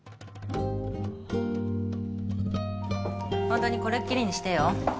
ホントにこれっきりにしてよ。